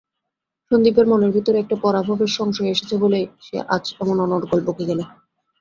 সন্দীপের মনের ভিতরে একটা পরাভবের সংশয় এসেছে বলেই সে আজ এমন অনর্গল বকে গেল।